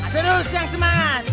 terus yang semangat